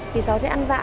thì cháu sẽ ăn vạ